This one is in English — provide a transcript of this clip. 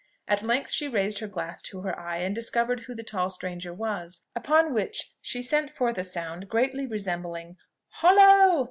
At length she raised her glass to her eye and discovered who the tall stranger was; upon which she sent forth a sound greatly resembling a view "hollo!"